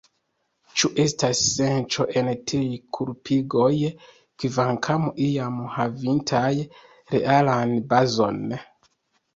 Ĉu estas senco en tiuj kulpigoj, kvankam iam havintaj realan bazon?